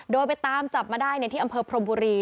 โดยไปตามจับมาได้ที่อำเภอพรมบุรี